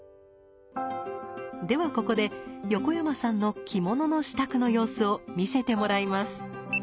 ではここで横山さんの着物の支度の様子を見せてもらいます。